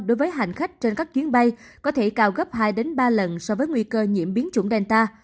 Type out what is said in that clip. đối với hành khách trên các chuyến bay có thể cao gấp hai ba lần so với nguy cơ nhiễm biến chủng delta